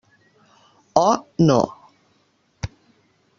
O no.